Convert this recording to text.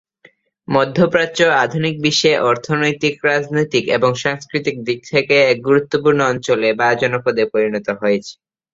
মধ্যপ্রাচ্য আধুনিক বিশ্বে অর্থনৈতিক, রাজনৈতিক, এবং সাংস্কৃতিক দিক থেকে এক গুরুত্বপূর্ণ অঞ্চলে বা জনপদে পরিণত হয়েছে।